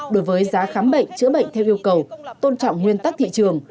đối với giá khám bệnh chữa bệnh theo yêu cầu tôn trọng nguyên tắc thị trường